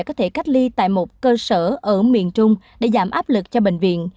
có thể cách ly tại một cơ sở ở miền trung để giảm áp lực cho bệnh viện